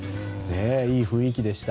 いい雰囲気でした。